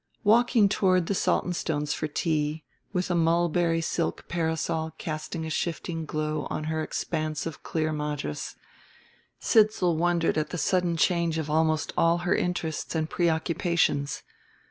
Walking toward the Saltonstones' for tea, with a mulberry silk parasol casting a shifting glow on her expanse of clear madras, Sidsall wondered at the sudden change of almost all her interests and preoccupations.